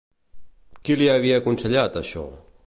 Qui li havia aconsellat, això?